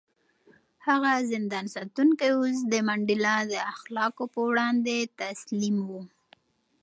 هغه زندان ساتونکی اوس د منډېلا د اخلاقو په وړاندې تسلیم و.